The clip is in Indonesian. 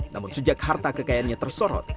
namun sejak harta kekayaannya tersorot